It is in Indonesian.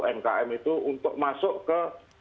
umkm itu untuk masuk ke